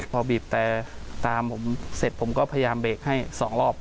พอบีบแต่ตามผมเสร็จผมก็พยายามเบรกให้๒รอบ